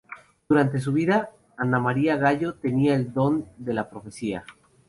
Durante su vida, Anna Maria Gallo tenía el don de la profecía.